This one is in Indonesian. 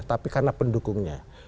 tapi karena pendukungnya